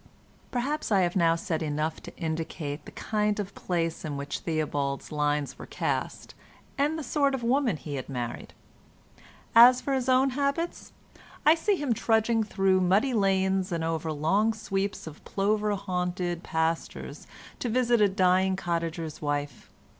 Perhaps I have now said enough to indicate the kind of place in which Theobald's lines were cast, and the sort of woman he had married. As for his own habits, I see him trudging through muddy lanes and over long sweeps of plover haunted pastures to visit a dying cottager's wife.